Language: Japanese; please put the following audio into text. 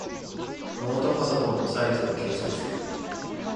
ノートパソコンのサイズを計測する。